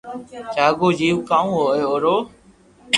چاڪو جويو ڪاو ھوئي او رو